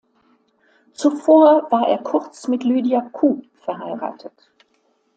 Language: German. Zuvor war er kurz mit Lydia Ku verheiratet.